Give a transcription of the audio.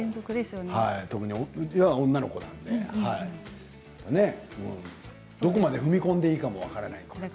うちは女の子なのでどこまで踏み込んでいいかも分からない。